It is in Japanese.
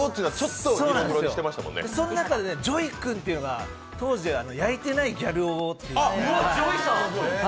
その中で、ＪＯＹ君というのが当時は焼いてないギャル男という。